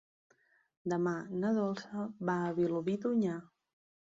Demà na Dolça va a Vilobí d'Onyar.